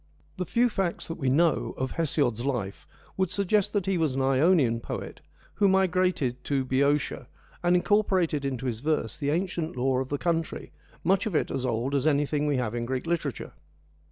The few facts that we know of Hesiod's life would suggest that he was an Ionian poet who migrated to Bceotia, and incorporated into his verse the ancient lore of the country, much of it as old as anything we have in Greek literature.